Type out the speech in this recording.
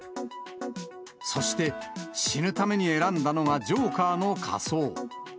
そして、死ぬために選んだのがジョーカーの仮装。